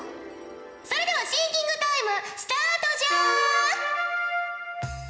それではシンキングタイムスタートじゃ！